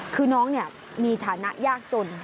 คือน้องมีฐานะยากจน